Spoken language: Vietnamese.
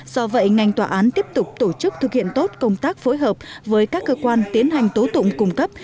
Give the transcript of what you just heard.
do vậy ngành tòa án tiếp tục tổ chức thực hiện tốt công tác phối hợp với các cơ quan tiến hành tố tụng cung cấp